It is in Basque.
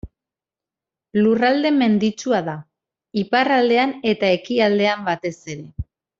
Lurralde menditsua da, iparraldean eta ekialdean batez ere.